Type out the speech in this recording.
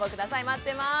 待ってます。